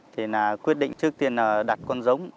thì quyết định trước tiên là đặt con giống